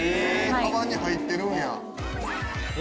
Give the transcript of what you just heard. カバンに入ってるんや。